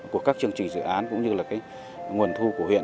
của các chương trình dự án cũng như là nguồn thu của huyện